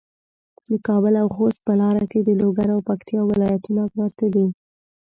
د کابل او خوست په لاره کې د لوګر او پکتیا ولایتونه پراته دي.